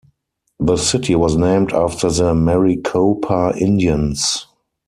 The city was named after the Maricopa Indians.